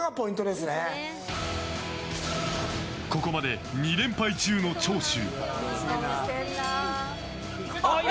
ここまで２連敗中の長州。